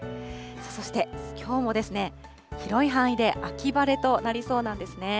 そしてきょうもですね、広い範囲で秋晴れとなりそうなんですね。